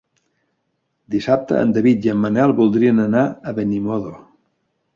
Dissabte en David i en Manel voldrien anar a Benimodo.